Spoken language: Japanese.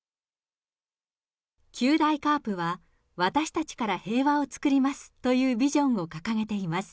九大カープは、私たちから平和を作りますというビジョンを掲げています。